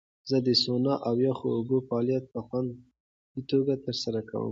زه د سونا او یخو اوبو فعالیت په خوندي توګه ترسره کوم.